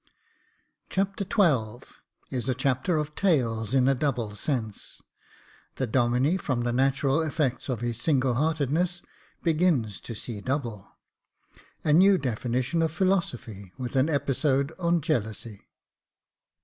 Chapter XII Is a chapter of tales in a double sense — The Domine, from the natural effects of his single heartedness, begins to see double — A new definition of philosophy, with an episode on jealousy.